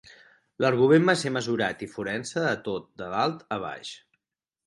L'argument va ser mesurat i forense a tot de dalt a baix.